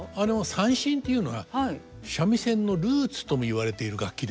三線っていうのは三味線のルーツとも言われている楽器ですね。